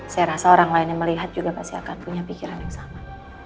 saya rasa orang lain yang melihat juga pasti akan punya pikiran yang sama